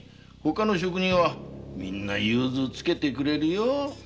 ほかの職人はみんな融通をつけてくれるよ